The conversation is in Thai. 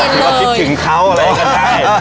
พี่ก็บอกว่าคิดถึงเขาอะไรก็ได้